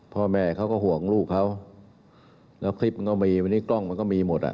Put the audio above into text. พ่อแม่เขาก็ห่วงลูกเขาแล้วคลิปมันก็มีวันนี้กล้องมันก็มีหมดอ่ะ